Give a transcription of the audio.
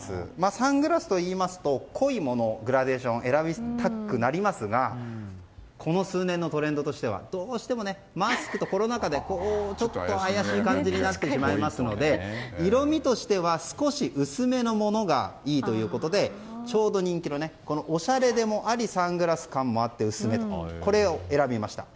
サングラスといいますと濃いもの、グラデーションで選びたくなりますがこの数年のトレンドとしてはどうしても、マスクとコロナ禍で怪しい感じになってしまいますので色味としては少し薄めのものがいいということでちょうど人気のおしゃれでもありサングラス感もある薄めというこれを選びました。